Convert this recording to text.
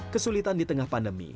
kesulitan di tengah pandemi